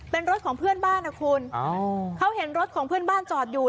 เป็นรถของเพื่อนบ้านนะคุณเขาเห็นรถของเพื่อนบ้านจอดอยู่